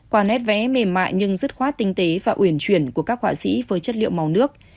quả nét vẽ mềm mại nhưng rất khoát tinh tế và uyển chuyển của các quả sĩ với chất liệu màu nước